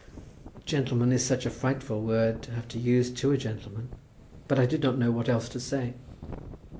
"Gentleman is such a frightful word to have to use to a gentleman; but I did not know what else to say.